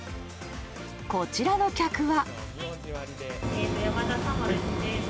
こちらの客は。